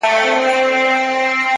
ساده فکر ستونزې کوچنۍ کوي.